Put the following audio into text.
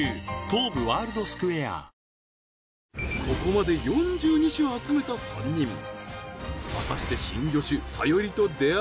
ここまで４２種を集めた３人。